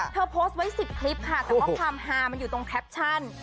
โพสต์ไว้๑๐คลิปค่ะแต่ว่าความฮามันอยู่ตรงแคปชั่น